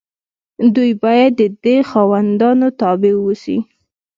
دوی باید د دې خاوندانو تابع واوسي.